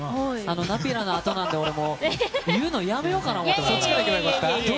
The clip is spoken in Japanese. ナピラのあとなんで言うのやめようかなと思ったんですけど。